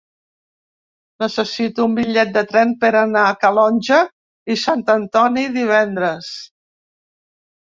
Necessito un bitllet de tren per anar a Calonge i Sant Antoni divendres.